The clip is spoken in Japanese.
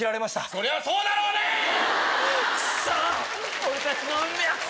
そりゃあそうだろうね‼くそ！